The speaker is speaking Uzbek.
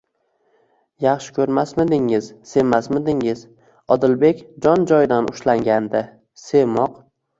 Yaxshi ko'rmasmidingiz? Sevmasmidingiz? Odilbek jon joyidan ushlangandi. Sevmoq